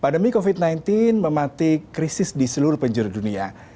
pandemi covid sembilan belas mematik krisis di seluruh penjuru dunia